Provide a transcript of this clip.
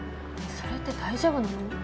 それって大丈夫なの？